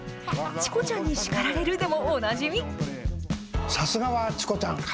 チコちゃんに叱られるでもおなじみ。